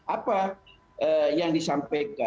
apa yang disampaikan